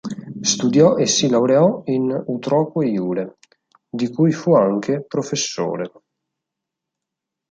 Studiò e si laureò "in utroque iure", di cui fu anche professore.